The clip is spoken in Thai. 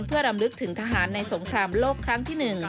เพื่อรำลึกถึงทหารในสงครามโลกครั้งที่๑